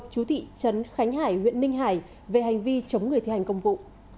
chú thị trấn khánh hải huyện ninh hải về hành vi chống người thi hành công vụ